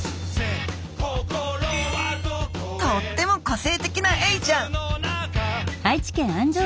とっても個性的なエイちゃん！